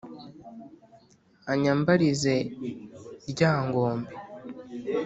anyambarize lyangombe